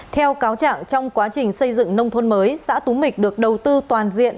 theo cáo chẳng trong quá trình xây dựng nông thôn mới xã tú bịch được đầu tư toàn diện